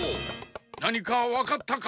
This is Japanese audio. なにかわかったか？